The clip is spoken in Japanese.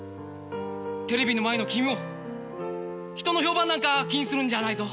テレビの前の君も人の評判なんか気にするんじゃないぞ。